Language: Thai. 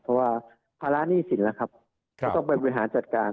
เพราะว่าภาระหนี้สินนะครับก็เป็นบริหารจัดการ